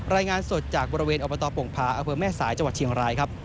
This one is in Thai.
รายงานสดจากบริเวณอปงภาอแม่สายจเฉียงรายครับ